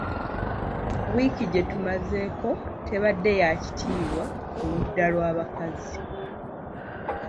Wiiki gye tumazeeko tebadde ya kitiibwa ku ludda lwa bakazi.